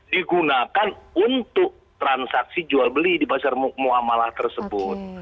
digunakan untuk transaksi jual beli di pasar muamalah tersebut